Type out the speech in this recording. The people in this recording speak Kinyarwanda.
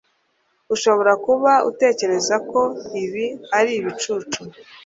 ushobora kuba utekereza ko ibi ari ibicucu